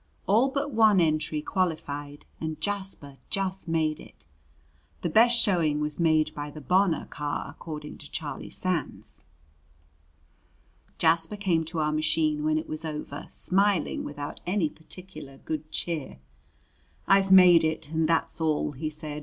All but one entry qualified and Jasper just made it. The best showing was made by the Bonor car, according to Charlie Sands. Jasper came to our machine when it was over, smiling without any particular good cheer. "I've made it and that's all," he said.